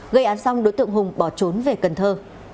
gây án xong đối tượng hùng bỏ trốn về cần thơ